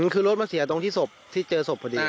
คือรถมาเสียตรงที่เจอศพพอดี